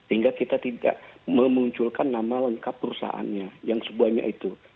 sehingga kita tidak memunculkan nama lengkap perusahaannya yang semuanya itu